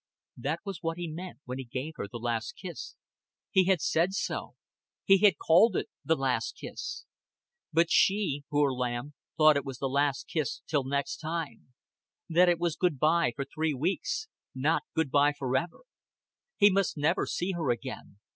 That was what he meant when he gave her the last kiss. He had said so. He had called it the last kiss. But she poor lamb thought it was the last kiss till next time; that it was good by for three weeks, not good by forever. He must never see her again.